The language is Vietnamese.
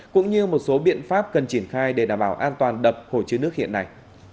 cũng như một số biện pháp cần triển khai để đảm bảo an toàn đập hồ chứa nước hiện nay